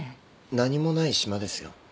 何もない島ですよ。